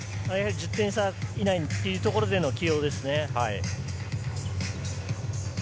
１０点差以内というところでの起用ですね。